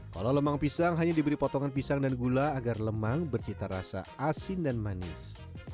kalau lemang pisang hanya diberi potongan pisang dan gula agar lemang bercita rasa asin dan manis